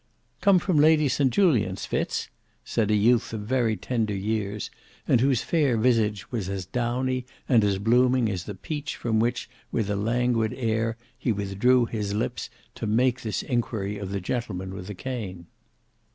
"Come from Lady St Julian's, Fitz?" said a youth of very tender years, and whose fair visage was as downy and as blooming as the peach from which with a languid air he withdrew his lips to make this inquiry of the gentleman with the cane.